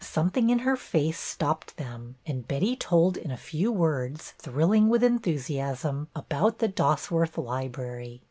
Something in her face stopped them and Betty told in a few words, thrilling with enthusiasm, about the Dosworth Library.